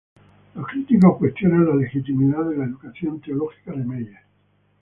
Los críticos cuestionan la legitimidad de la educación teológica de Meyer.